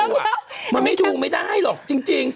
มันไม่ถูกไม่ได้หรอกจริง